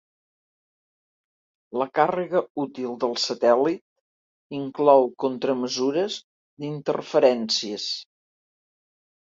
La càrrega útil del satèl·lit inclou contramesures d'interferències.